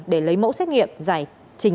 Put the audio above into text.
để lấy mẫu xét nghiệm giải trình